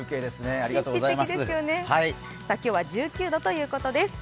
今日は１９度ということです。